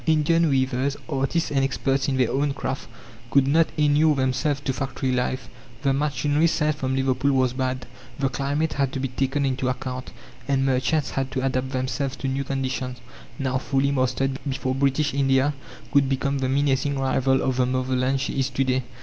Indian weavers artists and experts in their own craft could not inure themselves to factory life; the machinery sent from Liverpool was bad; the climate had to be taken into account; and merchants had to adapt themselves to new conditions, now fully mastered, before British India could become the menacing rival of the Mother land she is to day.